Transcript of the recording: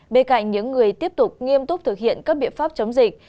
bên cạnh những người tiếp tục nghiêm túc thực hiện các biện pháp chống dịch